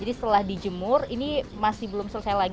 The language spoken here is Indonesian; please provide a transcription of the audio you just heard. jadi setelah dijemur ini masih belum selesai lagi